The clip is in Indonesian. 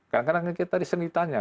kadang kadang kita disini ditanya